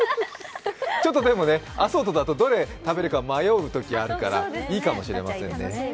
アソートだと、どれ食べるか迷うときあるから、いいかもしれませんね。